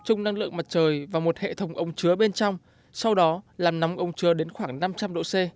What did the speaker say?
trung năng lượng mặt trời và một hệ thống ống chứa bên trong sau đó làm nóng ống chứa đến khoảng năm trăm linh độ c